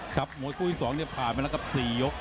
ครับมวยคู่ที่สองเนี่ยผ่านไปแล้วกับ๔ยก